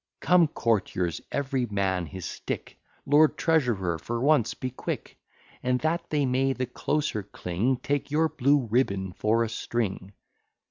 Come, courtiers: every man his stick! Lord treasurer, for once be quick: And that they may the closer cling, Take your blue ribbon for a string.